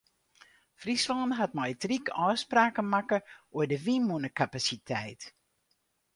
Fryslân hat mei it ryk ôfspraken makke oer de wynmûnekapasiteit.